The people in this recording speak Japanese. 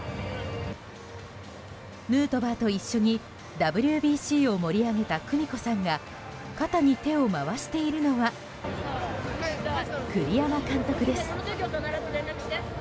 ヌートバーと一緒にＷＢＣを盛り上げた久美子さんが肩に手を回しているのは栗山監督です。